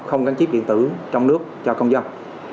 không gắn chip điện tử trong nước cho công dân